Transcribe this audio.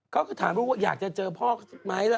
เขาก็ถามลูกว่าอยากจะเจอพ่อไหมล่ะ